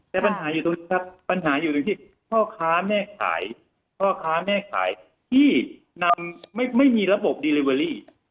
แต่ปัญหาอยู่ตรงนี้ครับปัญหาอยู่ตรงที่พ่อค้าแม่ขายพ่อค้าแม่ขายที่นำไม่มีระบบดีลิเวอรี่